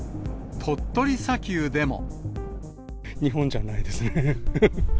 日本じゃないですね。